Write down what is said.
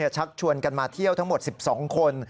ชักชวนกันมาเที่ยวทั้งหมด๑๒คน